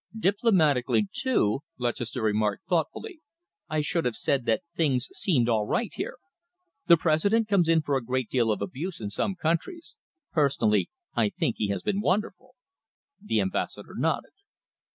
"Diplomatically, too," Lutchester remarked thoughtfully, "I should have said that things seemed all right here. The President comes in for a great deal of abuse in some countries. Personally, I think he has been wonderful." The Ambassador nodded.